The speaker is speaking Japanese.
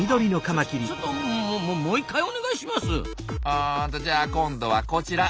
あじゃあ今度はこちら。